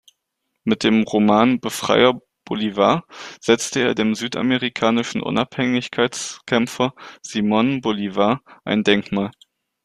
Mit dem Roman "Befreier Bolivar" setzte er dem südamerikanischen Unabhängigkeitskämpfer Simón Bolívar ein Denkmal.